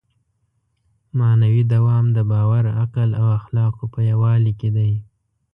معنوي دوام د باور، عقل او اخلاقو په یووالي کې دی.